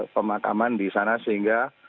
pemakaman di sana sehingga